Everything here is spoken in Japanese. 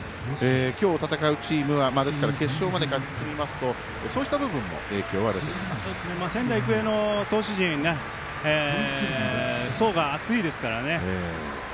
今日戦うチームは決勝まで進みますとそうした部分も仙台育英の投手陣層が厚いですからね。